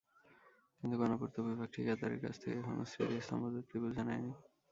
কিন্তু গণপূর্ত বিভাগ ঠিকাদারের কাছ থেকে এখনো স্মৃতিস্তম্ভ দুটি বুঝে নেয়নি।